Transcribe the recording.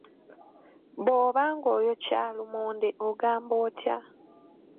Bw'oba ng’oyokya lumonde n’ogamba otya?